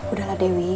udah lah dewi